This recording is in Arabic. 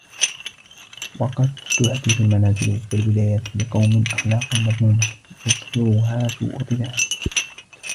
وَقَدْ تُحْدِثُ الْمَنَازِلُ وَالْوِلَايَاتُ لِقَوْمٍ أَخْلَاقًا مَذْمُومَةً يُظْهِرُهَا سُوءُ طِبَاعِهِمْ